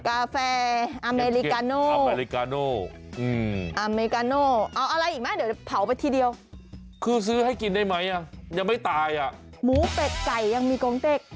กาแฟอเมริกาโน